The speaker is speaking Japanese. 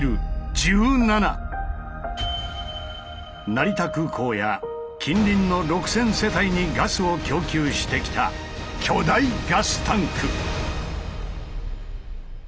成田空港や近隣の６０００世帯にガスを供給してきた巨大ガスタンク！